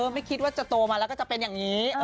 ไม่คิดว่าจะโตมาแล้วก็จะเป็นอย่างนี้